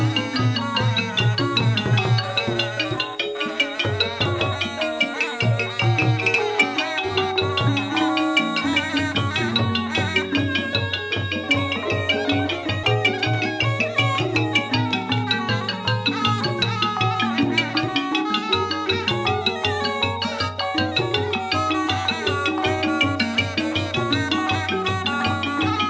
สวัสดีครับ